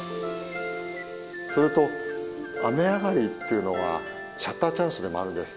それと雨上がりっていうのはシャッターチャンスでもあるんです。